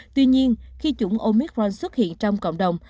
tuy nhiên khi chủng omicron xuất hiện trong cộng đồng